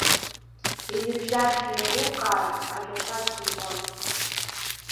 Иныбжьаршәны еилукааратә ажәақәакгьы иҳәон.